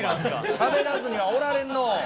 しゃべらずにはおられんのう！